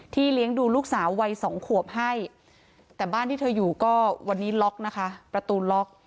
เลี้ยงดูลูกสาววัยสองขวบให้แต่บ้านที่เธออยู่ก็วันนี้ล็อกนะคะประตูล็อก